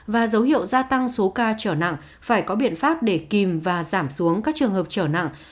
và dấu hiệu gia tăng số ca trở nặng phải có biện pháp để kìm và giảm xuống các trường hợp trở nặng